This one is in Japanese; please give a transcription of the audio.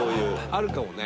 あるかもね。